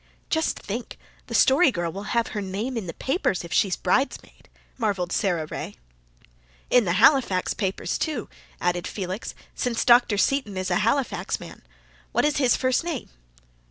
"Just think, the Story Girl will have her name in the papers if she's bridesmaid," marvelled Sara Ray. "In the Halifax papers, too," added Felix, "since Dr. Seton is a Halifax man. What is his first name?"